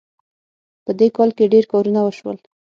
په دې کال کې ډېر کارونه وشول